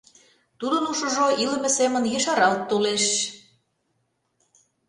Тудын ушыжо илыме семын ешаралт толеш.